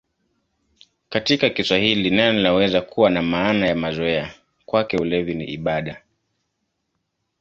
Katika Kiswahili neno linaweza kuwa na maana ya mazoea: "Kwake ulevi ni ibada".